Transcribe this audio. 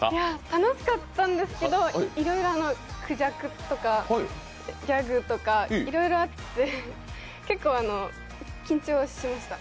楽しかったんですけど、いろいろ、クジャクとかギャグとか、いろいろあって、結構緊張しました。